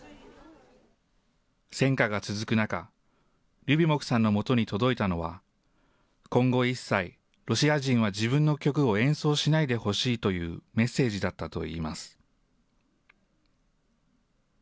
戦火が続く中、リュビモフさんのもとに届いたのは、今後一切、ロシア人は自分の曲を演奏しないでほしいというメッセージだったといいます。